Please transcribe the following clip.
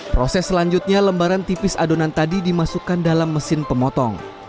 proses selanjutnya lembaran tipis adonan tadi dimasukkan dalam mesin pemotong